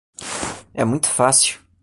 É muito fácil.